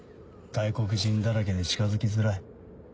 外国人だらけで近づきづらい。